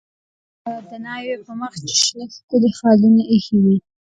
لکه د ناوې په مخ چې شنه ښکلي خالونه ایښي وي.